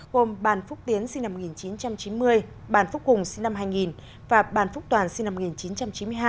gồm bàn phúc tiến sinh năm một nghìn chín trăm chín mươi bàn phúc cùng sinh năm hai nghìn và bàn phúc toàn sinh năm một nghìn chín trăm chín mươi hai